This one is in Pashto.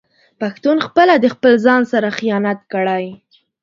پښتون خپله د خپل ځان سره خيانت کړي